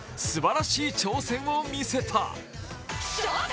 すばらしい挑戦を見せた。